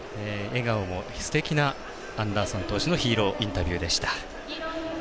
笑顔もすてきなアンダーソン投手のヒーローインタビューでした。